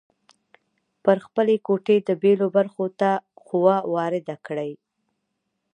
پر خپلې ګوتې د بیلو برخو ته قوه وارده کړئ.